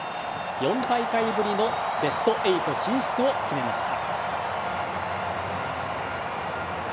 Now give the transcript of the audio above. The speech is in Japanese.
４大会ぶりのベスト８進出を決めました。